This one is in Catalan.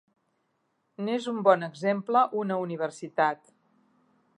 N'és un bon exemple una universitat.